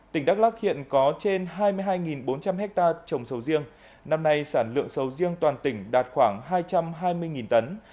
tỉnh đắk lắc hiện có trên hai mươi hai bốn trăm linh hectare trồng sầu riêng năm nay sản lượng sầu riêng toàn tỉnh đạt khoảng hai trăm hai mươi tấn